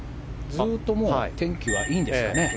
ずっともう天気はいいんですかね。